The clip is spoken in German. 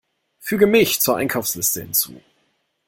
Füge Milch zur Einkaufsliste hinzu!